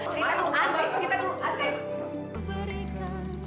cerita dulu aduh dewi